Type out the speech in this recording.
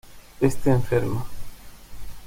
Este enferma.